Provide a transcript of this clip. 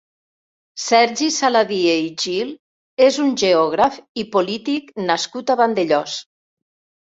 Sergi Saladié i Gil és un geògraf i polític nascut a Vandellòs.